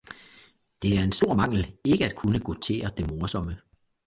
Det er en stor mangel, ikke at kunne goutere det morsomme